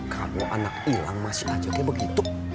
kamu anak ilang masih aja kayak begitu